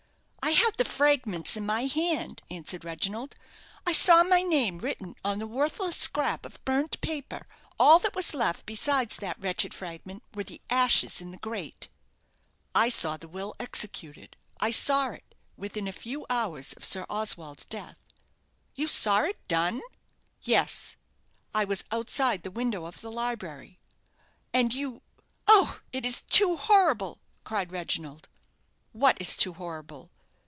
"I had the fragments in my hand," answered Reginald. "I saw my name written on the worthless scrap of burnt paper. All that was left besides that wretched fragment were the ashes in the grate." "I saw the will executed I saw it within a few hours of Sir Oswald's death." "You saw it done?" "Yes, I was outside the window of the library." "And you ! oh, it is too horrible," cried Reginald. "What is too horrible?"